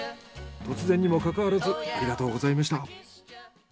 突然にもかかわらずありがとうございました。